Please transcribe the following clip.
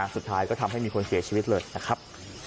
สุดท้ายก็ทำให้มีคนเสียชีวิตเลยนะครับ